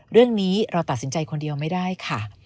เรื่องนี้เราตัดสินใจคนเดียวไม่ได้ค่ะ